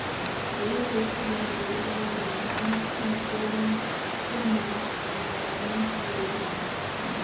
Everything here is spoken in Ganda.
Oyinza okuwulira ng'oyagala buli muntu mu kitundu ky'olimu gamba nga ku ssomero amanye nti w'oli.